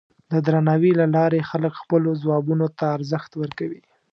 د درناوي له لارې خلک خپلو ځوابونو ته ارزښت ورکوي.